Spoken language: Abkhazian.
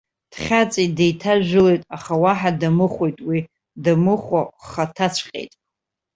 Дхьаҵит, деиҭажәылеит, аха уаҳа дамыхәеит уи, дамыхәахаҭаҵәҟьеит.